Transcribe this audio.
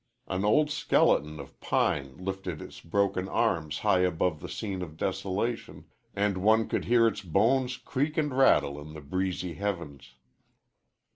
An old skeleton of pine lifted its broken arms high above the scene of desolation, and one could hear its bones creak and rattle in the breezy heavens.